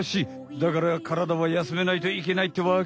だから体はやすめないといけないってわけ。